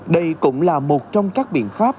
đây cũng là một trong các biện pháp